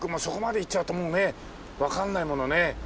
そこまでいっちゃうともうねわかんないものね。